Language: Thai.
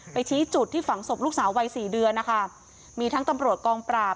ชี้จุดที่ฝังศพลูกสาววัยสี่เดือนนะคะมีทั้งตำรวจกองปราบ